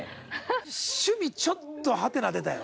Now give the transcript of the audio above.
趣味ちょっとハテナ出たよ。